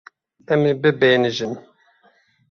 Em ê bibêhnijin.